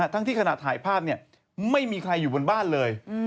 ทั้งที่ขณะถ่ายภาพไม่มีใครอยู่บนบ้านเลย